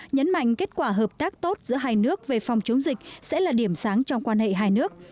nhấn mạnh kết quả hợp tác tốt giữa hai nước về phòng chống dịch sẽ là điểm sáng trong quan hệ hai nước